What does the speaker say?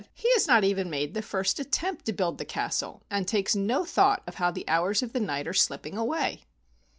"He has not even made the first attempt to build the castle, and takes no thought of how the hours of the night are slipping away."